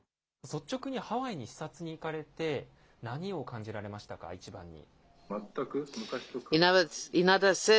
率直にハワイに視察に行かれて、何を感じられましたか、一番に。